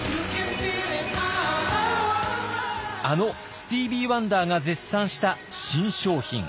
あのスティービー・ワンダーが絶賛した新商品。